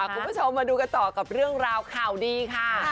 คุณผู้ชมมาดูกันต่อกับเรื่องราวข่าวดีค่ะ